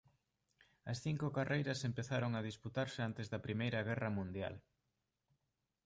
As cinco carreiras empezaron a disputarse antes da primeira guerra mundial.